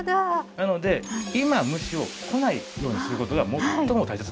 なので今虫を来ないようにする事が最も大切なんですね。